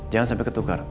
jangan sampai ketukar